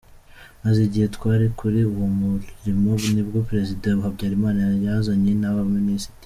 Maze igihe twali kuli uwo murimo nibwo Prezida Habyarimana yazanye n’aba ministre”.